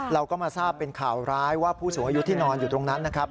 เราก็มาทราบเป็นข่าวร้ายว่าผู้สูงอายุที่นอนอยู่ตรงนั้นนะครับ